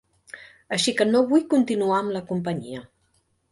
Així que no vull continuar amb la companyia.